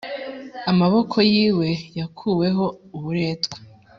Amaboko yiwe yakuweho uburetwa